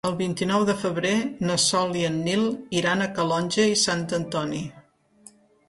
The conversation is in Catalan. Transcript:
El vint-i-nou de febrer na Sol i en Nil iran a Calonge i Sant Antoni.